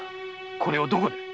これをどこで？